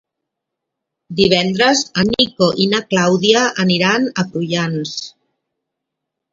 Divendres en Nico i na Clàudia aniran a Prullans.